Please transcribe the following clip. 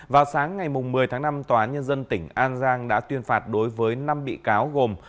vào sáng ngày một mươi tháng năm tòa án nhân dân tỉnh an giang đã tuyên phạt đối với năm bị cáo gồm